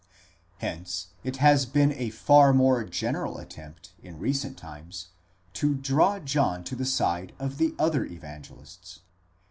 Hence it has been a far more general attempt in recent times, to draw John to the side of the other Evangelists.